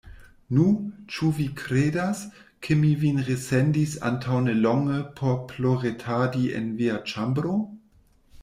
Nu, ĉu vi kredas, ke mi vin resendis antaŭ nelonge por ploretadi en via ĉambro?